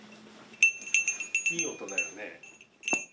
いい音だよね。